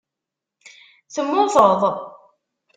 Temmuteḍ?